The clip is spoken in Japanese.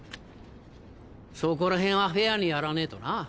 そこらへんはフェアにやらねえとな。